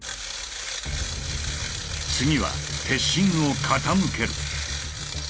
次は鉄心を傾ける。